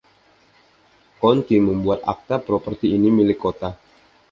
County membuat akta properti ini milik kota.